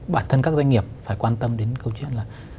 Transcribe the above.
bản thân các doanh nghiệp phải quan tâm đến câu chuyện là